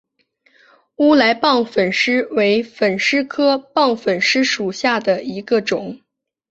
乌来棒粉虱为粉虱科棒粉虱属下的一个种。